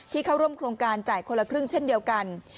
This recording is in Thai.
เข้าร่วมโครงการจ่ายคนละครึ่งเช่นเดียวกัน